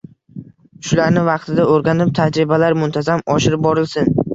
Shularni vaqtida oʻrganib, tajribalar muntazam oshirib borilsin